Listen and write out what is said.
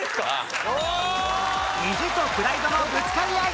意地とプライドのぶつかり合い！